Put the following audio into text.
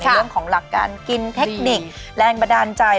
เรื่องของหลักการกินเทคนิคแรงบันดาลใจ